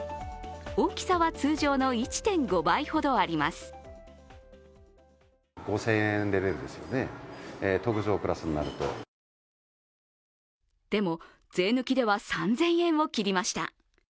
大きさは通常の１．５倍ほどありますでも、税抜きでは３０００円を切りました。